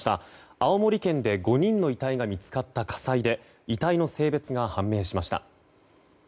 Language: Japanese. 青森県で５人の遺体が見つかった火災で遺体の性別が判明しました。